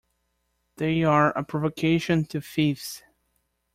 They are a provocation to thieves.